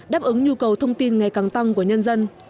đáp ứng nhu cầu thông tin ngày càng tăng của nhân dân